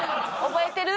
覚えてる？